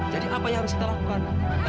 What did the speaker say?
jadi apa yang harus kita lakukan